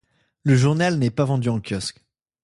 Le journal n'est pas vendu en kiosque.